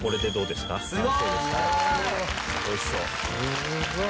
すごーい！